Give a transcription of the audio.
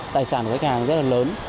tài sản của khách hàng rất là lớn